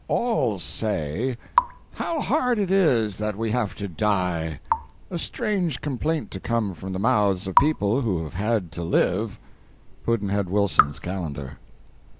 All say, "How hard it is that we have to die" a strange complaint to come from the mouths of people who have had to live. Pudd'nhead Wilson's Calendar.